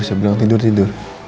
saya bilang tidur tidur